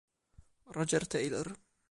Roger Taylor